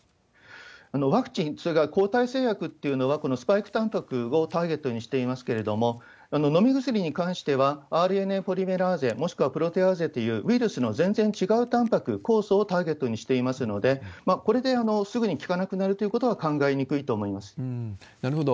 ワクチン、それから抗体製薬っていうのは、このスパイクタンパクをターゲットにしていますけれども、飲み薬に関しては、ＲＮＡポリメラーゼ、もしくはプロテアーゼというウイルスの全然違うタンパク酵素をターゲットにしていますので、これですぐに効かなくなるということなるほど。